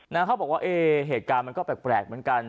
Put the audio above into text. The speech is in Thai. เขาบอกว่าเอ๊เหตุการณ์มันก็แปลกเหมือนกัน